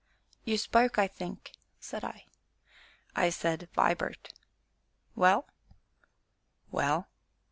"You spoke, I think!" said I. "I said, 'Vibart'!" "Well?" "Well?"